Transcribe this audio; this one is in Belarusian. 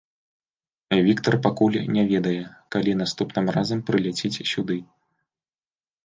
Віктар пакуль не ведае, калі наступным разам прыляціць сюды.